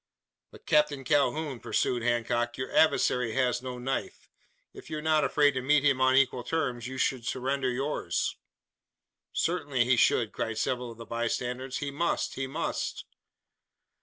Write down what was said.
"But, Captain Calhoun," pursued Hancock, "your adversary has no knife. If you are not afraid to meet him on equal terms you should surrender yours." "Certainly he should!" cried several of the bystanders. "He must! he must!"